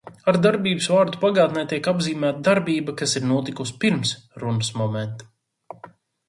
Ar darbības vārdu pagātnē tiek apzīmēta darbība, kas ir notikusi pirms runas momenta.